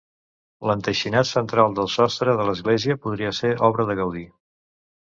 L'enteixinat central del sostre de l'església podria ser obra de Gaudí.